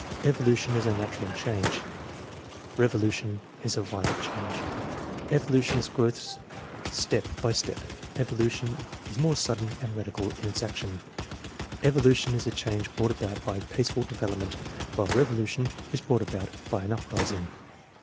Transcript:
"Evolution is a natural change; revolution is a violent change." "Evolution is growth step by step; revolution is more sudden and radical in its action." "Evo lution is a change brought about by peaceful development, while revolution is brought about by an uprising."